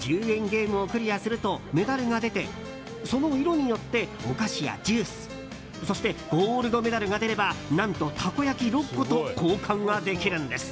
ゲームをクリアするとメダルが出てその色によってお菓子やジュースそして、ゴールドメダルが出れば何とたこ焼き６個と交換ができるんです。